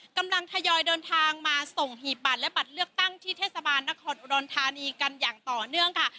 กำลังทยอยเดินทางมาส่งหีบบัตรและบัตรเลือกตั้งที่เทศบาลนครอุดรธานีกันอย่างต่อเนื่องค่ะ